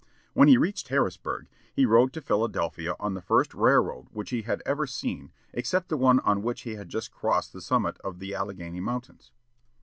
When he reached Harrisburg, he rode to Philadelphia on the first railroad which he had ever seen except the one on which he had just crossed the summit of the Alleghany Mountains.